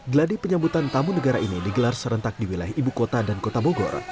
geladi penyambutan tamu negara ini digelar serentak di wilayah ibu kota dan kota bogor